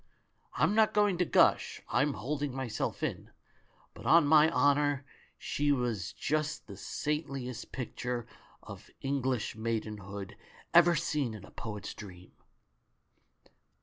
I'm not going to gush — I'm holding myself in — but on my honour she was just the saintliest picture of English maidenhood ever seen in a poet's dream